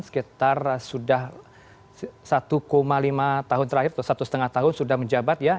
sekitar sudah satu lima tahun terakhir atau satu setengah tahun sudah menjabat ya